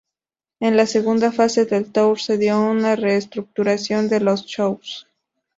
En la segunda fase del tour se dio una re-estructuración de los shows.